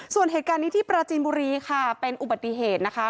ส่วนเหตุการณ์นี้ที่ปราจีนบุรีค่ะเป็นอุบัติเหตุนะคะ